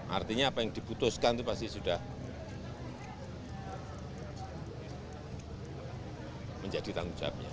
artinya apa yang dibutuhkan itu pasti sudah menjadi tanggung jawabnya